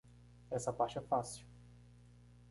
Essa parte é fácil.